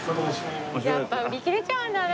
やっぱ売り切れちゃうんだね。